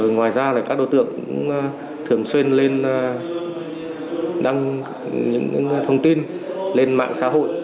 ngoài ra các đối tượng cũng thường xuyên lên đăng những thông tin lên mạng xã hội